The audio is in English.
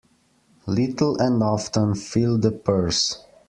Little and often fill the purse.